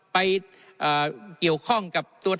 ไปเกี่ยวข้องกับตัว